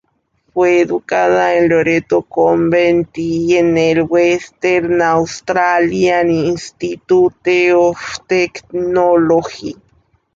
Fue educada en Loreto Convent y en el Western Australian Institute of Technology.